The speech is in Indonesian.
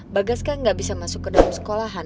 bagas kan gak bisa masuk ke dalam sekolahan